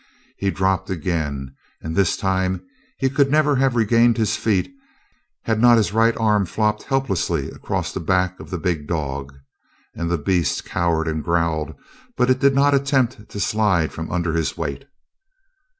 He dropped again, and this time he could never have regained his feet had not his right arm flopped helplessly across the back of the big dog, and the beast cowered and growled, but it did not attempt to slide from under his weight.